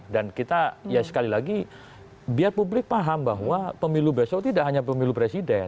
dan kita ya sekali lagi biar publik paham bahwa pemilu besok tidak hanya pemilu presiden